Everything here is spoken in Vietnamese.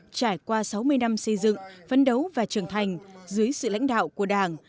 trải qua sáu mươi năm xây dựng phấn đấu và trưởng thành dưới sự lãnh đạo của đảng